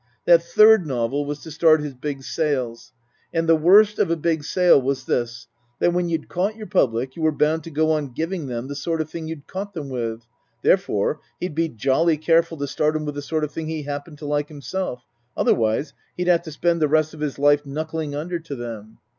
That third novel was to start his big sales. And the worst of a big sale was this, that when you'd caught your public you were bound to go on giving them the sort of thing you'd caught them with, therefore, he'd be jolly careful to start 'em with the sort of thing he happened to like himself, otherwise he'd have to spend the rest of his life knuckling under to them.